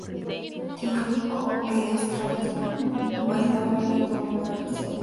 Teodorico I, rey de Austrasia, invadió Auvergne y tomó a Gal prisionero.